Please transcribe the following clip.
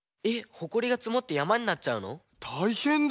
ほこりがつもってやまになっちゃうの⁉たいへんだ！